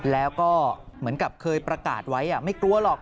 แล้วก็เหมือนกับเคยประกาศไว้ไม่กลัวหรอก